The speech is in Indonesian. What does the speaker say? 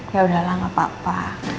yaudahlah gak apa apa